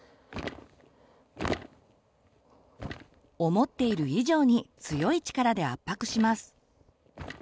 思っている以上に強い力で圧迫します。